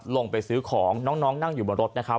ลงไปซื้อของน้องนั่งอยู่บนรถ